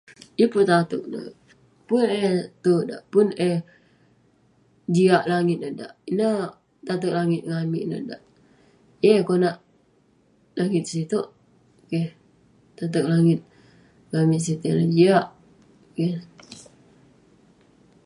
yeng pun tateg neh, pun eh terk dak, pun eh jiak langit neh dak, ineh tateg langit ngan amik ineh dak, yeng eh konak langit sitouk keh, tateg langit ngan amik sitey, jiak.